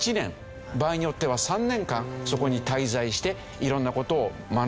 場合によっては３年間そこに滞在して色んな事を学ぶ。